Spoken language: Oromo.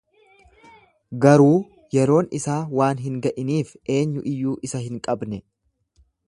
Garuu yeroon isaa waan hin ga'iniif eenyu iyyuu isa hin qabne.